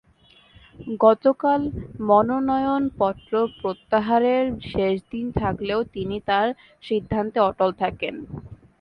গতকাল মনোনয়নপত্র প্রত্যাহারের শেষ দিন থাকলেও তিনি তাঁর সিদ্ধান্তে অটল থাকেন।